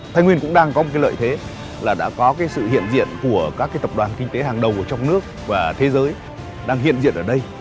thái nguyên cũng đang có một lợi thế là đã có sự hiện diện của các tập đoàn kinh tế hàng đầu trong nước và thế giới đang hiện diện ở đây